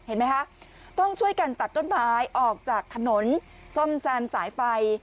เห็นไหมคะต้องช่วยกันตัดต้นไม้ออกจากถนนซ่อมแซมสายไฟ